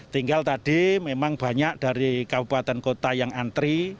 tinggal tadi memang banyak dari kabupaten kota yang antri